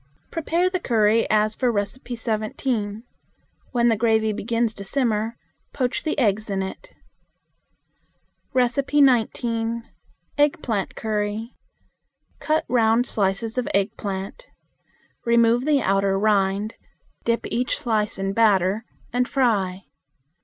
Prepare the curry as for No. 17. When gravy begins to simmer, poach the eggs in it. 19. Eggplant Curry. Cut round slices of eggplant. Remove the outer rind, dip each slice in batter and fry.